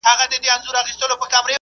د خوراک پر مهال حوصله ولرئ.